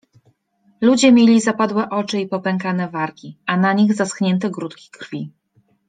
Ludzie mieli zapadłe oczy i popękane wargi, a na nich zeschnięte grudki krwi.